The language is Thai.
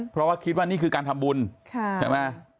เพราะว่าคิดว่านี่คือการทำบุญใช่ไหม